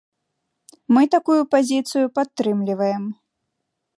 Мы такую пазіцыю падтрымліваем.